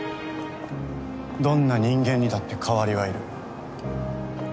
どんな人間にだって代わりはいる。